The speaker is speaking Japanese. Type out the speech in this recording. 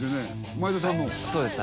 前田さんのそうです